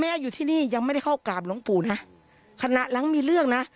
อยู่ที่นี่ยังไม่ได้เข้ากราบหลวงปู่นะขณะหลังมีเรื่องนะ